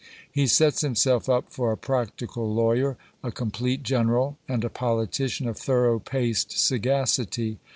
He sets himself up for a practical lawyer, a complete general, and a politician of thorough paced sagacity.